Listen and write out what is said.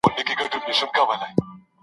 شیان د انسان د کاروني لپاره پیدا سوي دي.